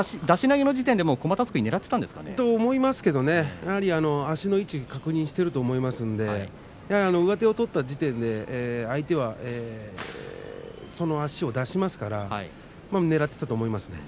出し投げの時点で、もうこまたすくいをと思いますけれどもね足の位置を確認していると思いますので上手を取った時点で相手はその足は出しますからねらっていたと思います。